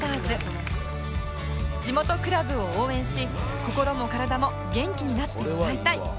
地元クラブを応援し心も体も元気になってもらいたい